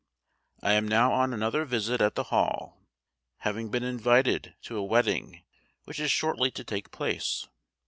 I am now on another visit at the Hall, having been invited to a wedding which is shortly to take place.